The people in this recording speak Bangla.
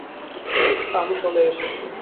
আমি চলে এসেছি।